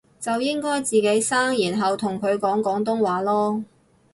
就應該自己生然後同佢講廣東話囉